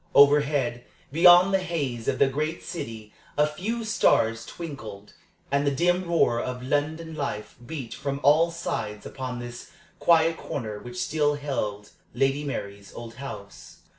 Overhead, beyond the haze of the great city, a few stars twinkled, and the dim roar of London life beat from all sides upon this quiet corner which still held Lady Mary's old house.